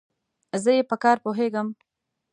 زه ئې په کار پوهېږم.